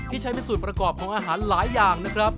ใช้เป็นส่วนประกอบของอาหารหลายอย่างนะครับ